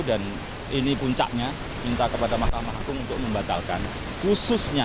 dan ini puncaknya minta kepada mahkamah agung untuk membatalkan khususnya